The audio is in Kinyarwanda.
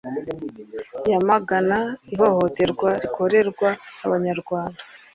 yamagana ihohoterwa rikorerwa Abanyarwanda